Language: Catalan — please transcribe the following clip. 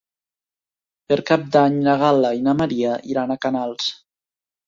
Per Cap d'Any na Gal·la i na Maria iran a Canals.